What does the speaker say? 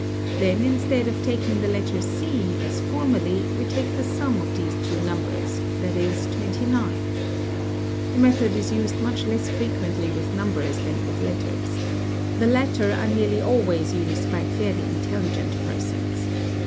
Then instead of taking the letter ¢ as formerly we take the sum of these two numbers, that is 29. The method is used much less frequently with numbers than with letters. The latter are nearly always used by fairly intelligent persons.